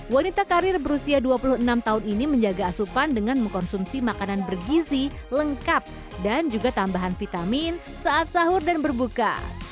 wanita karir berusia dua puluh enam tahun ini menjaga asupan dengan mengkonsumsi makanan bergizi lengkap dan juga tambahan vitamin saat sahur dan berbuka